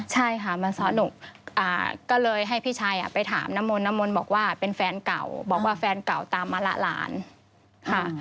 ใช่ค่ะก็เลยให้พี่ชายไปถามน้ำมนต์น้ำมนต์บอกว่าเป็นแฟนเก่าบอกว่าแฟนเก่าตามมาละหลานค่ะ